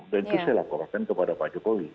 dan itu saya laporkan kepada pak jokowi